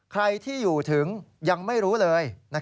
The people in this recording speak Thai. ใครที่อยู่ถึงยังไม่รู้เลย